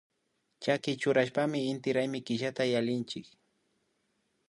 Chaki churashpami inti raymi killata yallinchik